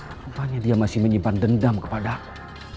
rupanya dia masih menyimpan dendam kepadaku